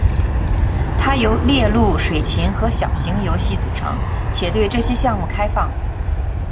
它由猎鹿、水禽和小型游戏组成，且对这些项目开放。